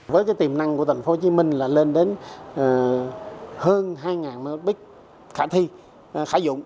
với tiềm năng của tp hcm là lên đến hơn hai m ba khả thi khả dụng